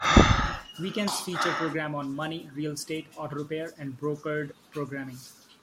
Weekends feature programs on money, real estate, auto repair and brokered programming.